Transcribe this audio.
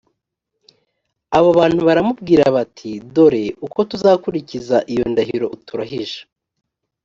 abo bantu baramubwira bati «dore uko tuzakurikiza iyo ndahiro uturahije.